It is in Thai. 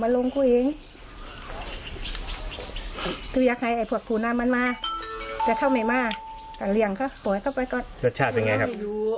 รสชาติเป็นไงครับ